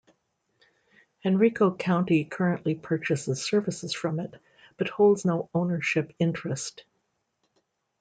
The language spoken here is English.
Henrico County currently purchases services from it, but holds no ownership interest.